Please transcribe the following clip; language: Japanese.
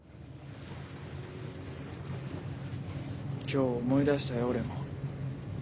今日思い出したよ俺も。